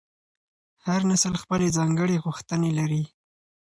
هر نسل خپلې ځانګړې غوښتنې لري.